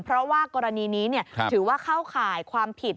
เพราะว่ากรณีนี้ถือว่าเข้าข่ายความผิด